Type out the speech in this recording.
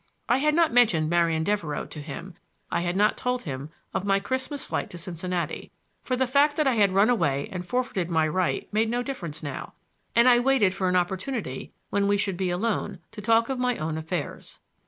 I had not mentioned Marian Devereux to him, I had not told him of my Christmas flight to Cincinnati; for the fact that I had run away and forfeited my right made no difference now, and I waited for an opportunity when we should be alone to talk of my own affairs.